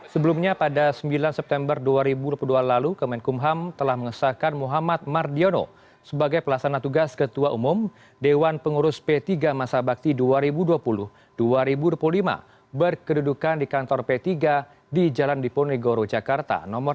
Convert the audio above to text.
sebelumnya pada sembilan september dua ribu dua puluh dua lalu kemenkumham telah mengesahkan muhammad mardiono sebagai pelaksana tugas ketua umum dewan pengurus p tiga masa bakti dua ribu dua puluh dua ribu dua puluh lima berkedudukan di kantor p tiga di jalan diponegoro jakarta